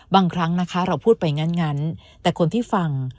บางครั้งนะคะเราพูดไปงั้นแต่คนที่ฟัง